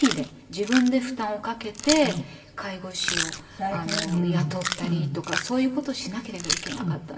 自分で負担をかけて介護士を雇ったりとかそういう事しなければいけなかったんで。